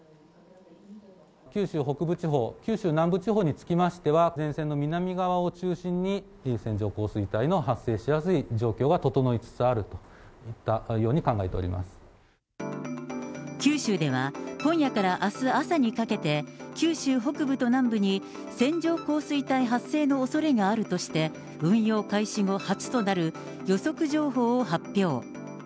九州北部地方、九州南部地方につきましては、前線の南側を中心に、線状降水帯の発生しやすい状況が整いつつあるといったように考え九州では、今夜からあす朝にかけて、九州北部と南部に、線状降水帯発生のおそれがあるとして、運用開始後初となる、予測情報を発表。